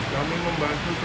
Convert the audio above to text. kami membantu satu